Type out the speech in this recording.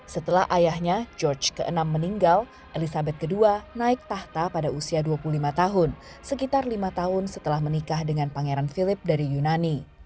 setelah ayahnya george vi meninggal elizabeth ii naik tahta pada usia dua puluh lima tahun sekitar lima tahun setelah menikah dengan pangeran philip dari yunani